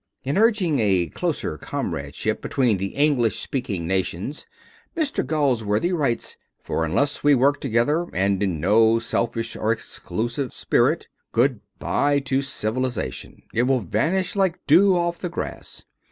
In urging a closer comradeship between the English speaking nations Mr. Galsworthy writes: "For unless we work together, and in no selfish or exclusive spirit Good by to Civilization! It will vanish like dew off the grass.